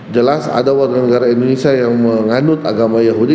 jelas ada warga negara indonesia yang menganut agama yahudi